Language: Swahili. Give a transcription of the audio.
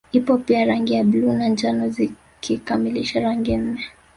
Ipo pia rangi ya bluu na njano zikikamilisha rangi nne